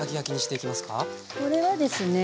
これはですね